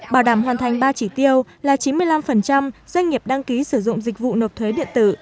bảo đảm hoàn thành ba chỉ tiêu là chín mươi năm doanh nghiệp đăng ký sử dụng dịch vụ nộp thuế điện tử